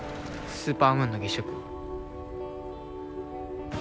スーパームーンの月食。